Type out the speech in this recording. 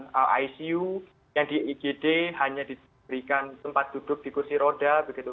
yang icu yang di igd hanya diberikan tempat duduk di kursi roda begitu